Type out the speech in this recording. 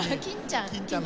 欽ちゃん？